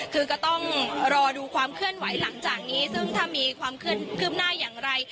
คือก็ต้องรอดูความเคลื่อนไหวหลังจากนี้ซึ่งถ้ามีความคืบหน้าอย่างไร